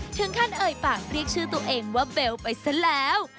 เอ่อปากเรียกชื่อตัวเองว่าเบลไปซะแล้ว